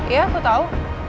iya aku tau